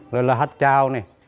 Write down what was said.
rồi là hát trao này